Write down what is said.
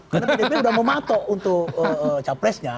karena pdp sudah mematok untuk capresnya